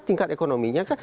tingkat ekonominya kah